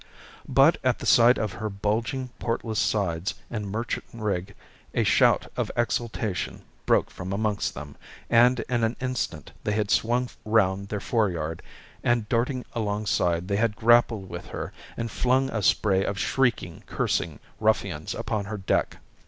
But at the sight of her bulging, portless sides and merchant rig a shout of exultation broke from amongst them, and in an instant they had swung round their fore yard, and darting alongside they had grappled with her and flung a spray of shrieking, cursing ruffians upon her deck.